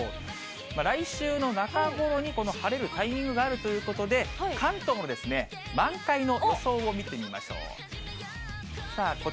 来週の中頃に、この晴れるタイミングがあるということで、関東も満開の予想を見てみましょう。